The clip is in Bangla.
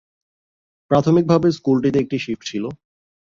প্রাথমিকভাবে স্কুলটিতে একটি শিফট ছিল।